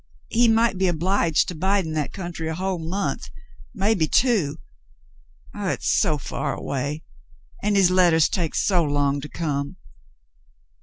He might be obliged to bide in that country a whole month — maybe two. It's so far away, and his letters take so long to come